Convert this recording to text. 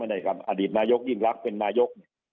อดีตนายกยิ่งรักเป็นนายก